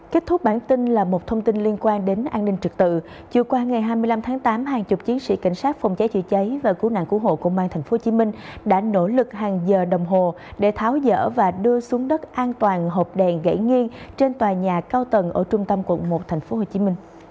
kết thúc bản tin là một thông tin liên quan đến an ninh trực tự chiều qua ngày hai mươi năm tháng tám hàng chục chiến sĩ cảnh sát phòng cháy chữa cháy và cứu nạn cứu hộ công an tp hcm đã nỗ lực hàng giờ đồng hồ để tháo dỡ và đưa xuống đất an toàn hộp đèn gãy nghiêng trên tòa nhà cao tầng ở trung tâm quận một tp hcm